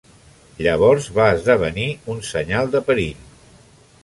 Llavors va esdevenir un senyal de perill.